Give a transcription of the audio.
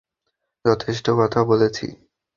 যথেষ্ট কথা বলেছি।